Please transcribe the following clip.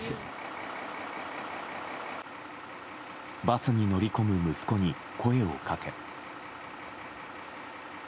バスに乗り込む息子に声をかけ。